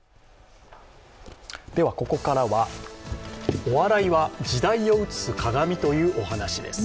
ここからはお笑いは時代を映す鏡という話です。